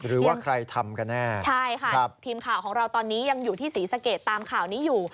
หรือว่าใครทำกันแน่ใช่ค่ะทีมข่าวของเราตอนนี้ยังอยู่ที่ศรีสะเกดตามข่าวนี้อยู่